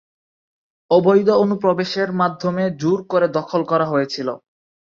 অবৈধ অনুপ্রবেশের মাধ্যমে জোর করে দখল করা হয়েছিল।